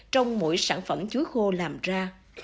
trong mỗi sản phẩm chuối khô làm ra